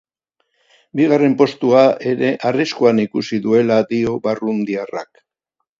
Bigarren postua ere arriskuan ikusi duela dio barrundiarrak.